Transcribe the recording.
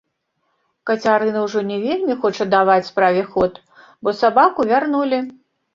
Кацярына ўжо не вельмі хоча даваць справе ход, бо сабаку вярнулі.